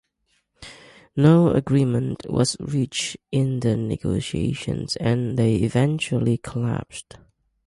No agreement was reached in the negotiations and they eventually collapsed.